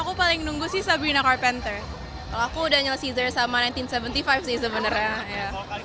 aku paling nunggu sih sabrina carpenter aku udah nyelisih sama seribu sembilan ratus tujuh puluh lima sih sebenarnya